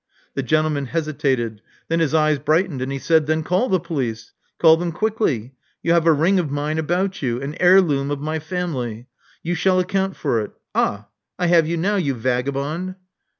The gentleman hesitated. Then his eyes bright ened; and he said, Then call the police. Call them quickly. You have a ring of mine about you — an heirloom of my family. You shall acount for it Ah! I have you now, you vagabond."